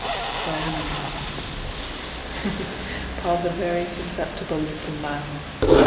Diana laughed. "Pa's a very susceptible little man